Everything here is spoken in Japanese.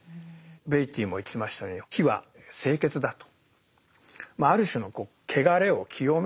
ベイティーも言ってましたように火は清潔だと。